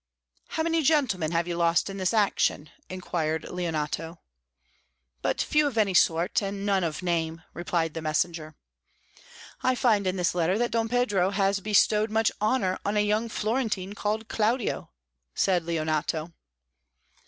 "How many gentlemen have you lost in this action?" inquired Leonato. "But few of any sort, and none of name," replied the messenger. "I find in this letter that Don Pedro has bestowed much honour on a young Florentine called Claudio," said Leonato.